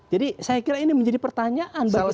jadi saya kira ini menjadi pertanyaan bagi traksipasi yang lain